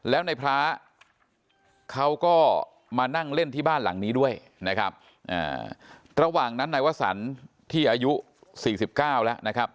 แล้วในพระเขาก็มานั่งเล่นที่บ้านหลังนี้ด้วยนะครับระหว่างนั้นนายวสันที่อายุ๔๙แล้วนะครับ